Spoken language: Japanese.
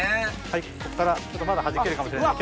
こっからまだはじけるかもしれない。